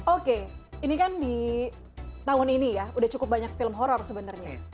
oke ini kan di tahun ini ya udah cukup banyak film horror sebenarnya